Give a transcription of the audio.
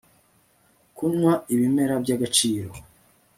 Kunywa ibimera byagaciro